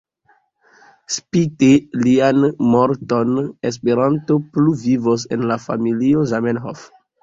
Spite lian morton Esperanto plu vivos en la familio Zamenhof.